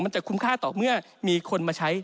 จะคุ้มค่าต่อเมื่อมีคนมาใช้